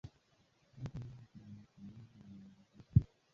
Hata hivyo kuna wasiwasi unaoongezeka wa ushiriki mbaya kati ya Marekani na Urusi.